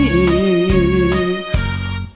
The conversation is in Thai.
โทรมากรุงเทพ